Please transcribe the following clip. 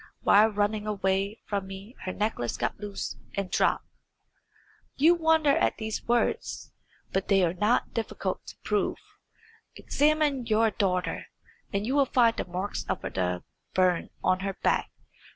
While running away from me her necklace got loose and dropped. You wonder at these words, but they are not difficult to prove. Examine your daughter, and you will find the marks of the burn on her back.